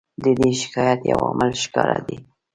د دې شکایت یو عامل ښکاره دی.